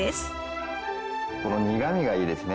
この苦みがいいですね